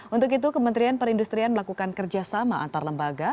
untuk itu kementerian perindustrian melakukan kerjasama antar lembaga